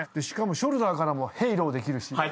しかもショルダーからもヘイローできるし。